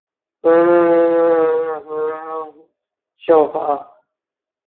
殖民当局倾向使用阿拉伯语和伊斯兰教法。